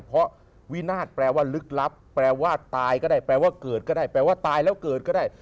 เพราะวินาศแปลว่าลึกลับแปลว่าตายก็ได้แปลว่าเกิดก็ได้แปลว่าตายแล้วเกิดก็ได้